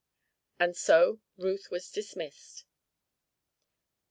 And so Ruth was dismissed.